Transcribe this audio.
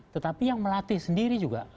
tetapi yang melatih sendiri juga